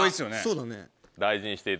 そうだね。